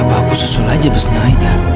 apa aku susul aja besnya aida